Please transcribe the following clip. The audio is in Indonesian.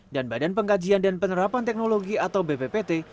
badan pengkajian dan penerapan teknologi atau bppt